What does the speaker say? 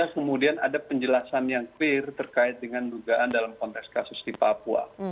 kemudian ada penjelasan yang clear terkait dengan dugaan dalam konteks kasus di papua